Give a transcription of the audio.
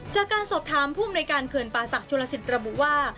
จากการสอบถามผู้อุ้มในการเขื่อนปาศักดิ์ชุลศิษฐ์ระบุว่า